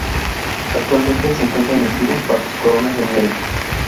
Actualmente se encuentra inactivo bajo su corona de nieve.